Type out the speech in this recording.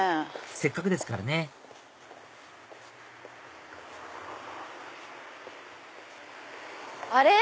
せっかくですからねあれ？